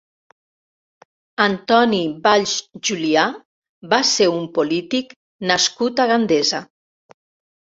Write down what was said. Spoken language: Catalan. Antoni Valls Julià va ser un polític nascut a Gandesa.